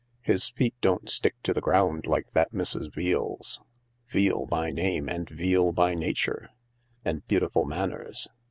" His feet don't stick to the ground like that Mrs. Veale 's. Veale by name and Veale by nature. And beautiful manners.